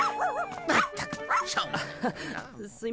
まったくしょうがない。